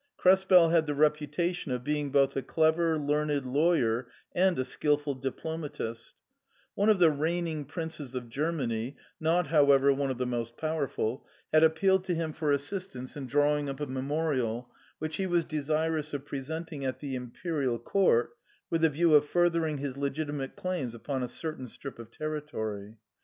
Krespel had the reputation of being both a clever, learned lawyer and a skilful diplomatist One of the reigning princes of Germany — not, however, one of the most powerful — had appealed to him for assistance in drawing up a memorial, which he was desirous of pre senting at the Imperial Court with the view of further ing his legitimate claims upon a certain strip of terri tory.